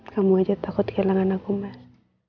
kamu aja takut kehilangan aku mas